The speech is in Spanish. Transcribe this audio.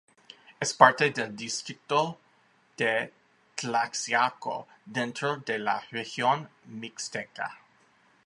Es parte del distrito de Tlaxiaco, dentro de la región mixteca.